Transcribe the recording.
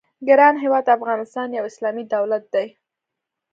ګران هېواد افغانستان یو اسلامي دولت دی.